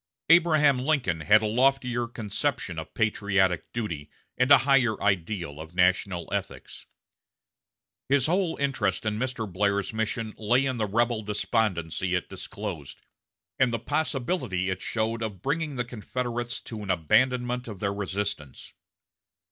Abraham Lincoln had a loftier conception of patriotic duty, and a higher ideal of national ethics. His whole interest in Mr. Blair's mission lay in the rebel despondency it disclosed, and the possibility it showed of bringing the Confederates to an abandonment of their resistance.